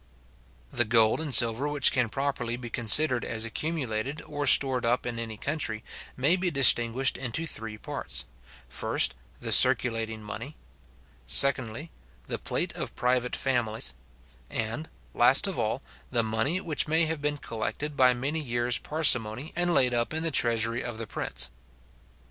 The gold and silver which can properly be considered as accumulated, or stored up in any country, may be distinguished into three parts; first, the circulating money; secondly, the plate of private families; and, last of all, the money which may have been collected by many years parsimony, and laid up in the treasury of the prince.